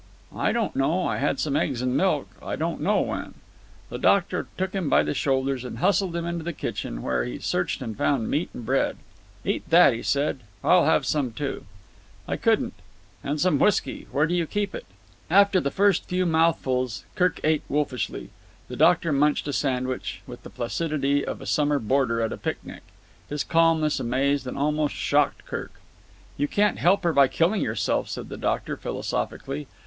"I don't know. I had some eggs and milk. I don't know when." The doctor took him by the shoulders and hustled him into the kitchen, where he searched and found meat and bread. "Eat that," he said. "I'll have some, too." "I couldn't." "And some whisky. Where do you keep it?" After the first few mouthfuls Kirk ate wolfishly. The doctor munched a sandwich with the placidity of a summer boarder at a picnic. His calmness amazed and almost shocked Kirk. "You can't help her by killing yourself," said the doctor philosophically.